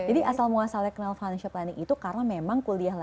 jadi asal muasalnya kenal financial planning itu karena memang kuliahnya